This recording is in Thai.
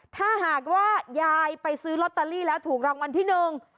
ถ้าหากว่ายายไปซื้อลอตเตอรี่แล้วถูกรางวัลที่หนึ่ง